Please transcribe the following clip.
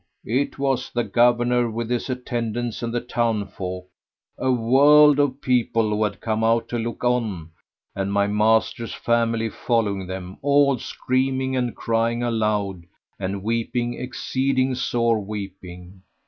it was the Governor with his attendants and the townsfolk, a world of people, who had come out to look on, and my master's family following them, all screaming and crying aloud and weeping exceeding sore weeping.